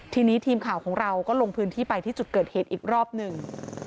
ทีนี้ทีมข่าวของเราก็ลงพื้นที่ไปที่จุดเกิดเหตุอีกรอบหนึ่ง